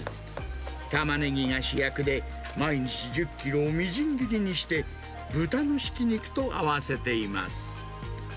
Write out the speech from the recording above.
タマネギが主役で、毎日１０キロをみじん切りにして、豚のひき肉と合わせています。